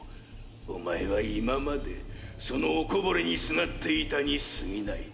おまえは今までそのおこぼれにすがっていたに過ぎない。